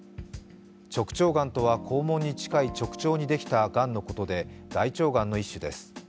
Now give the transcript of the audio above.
直腸がんとは肛門に近い直腸にできたがんのことで、大腸がんの一種です。